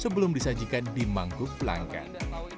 sebelum disajikan di mangkuk pelanggan